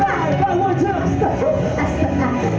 อาจรว่าธรรกสิแคร์